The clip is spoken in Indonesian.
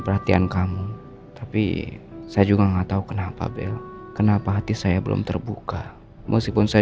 perhatian kamu tapi saya juga enggak tahu kenapa bel kenapa hati saya belum terbuka meskipun saya